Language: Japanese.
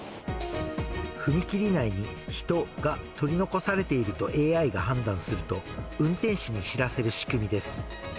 踏切内に人が取り残されているとＡＩが判断すると、運転士に知らせる仕組みです。